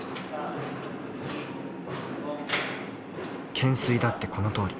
懸垂だってこのとおり。